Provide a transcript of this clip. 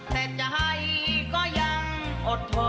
แต่ใจก็ยังอดทน